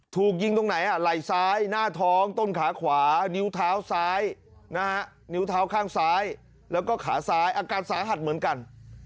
ถูกยิงตรงไหนไหล่ซ้ายหน้าท้องต้นขาขวานิ้วเท้าซ้ายนิ้วเท้าข้างซ้ายแล้วก็ขาซ้ายอาการสาหัสเหมือนกัน